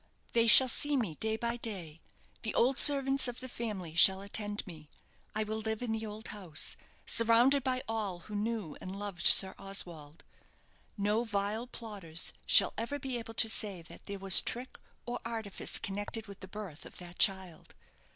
They shall see me day by day. The old servants of the family shall attend me. I will live in the old house, surrounded by all who knew and loved Sir Oswald. No vile plotters shall ever be able to say that there was trick or artifice connected with the birth of that child.